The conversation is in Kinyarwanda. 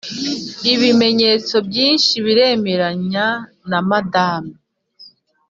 ibimenyetso byinshi biremeranya na madame